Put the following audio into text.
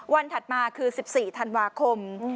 ถัดมาคือ๑๔ธันวาคม